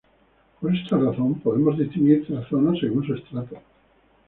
Por esta razón podemos distinguir tres zonas según su estrato.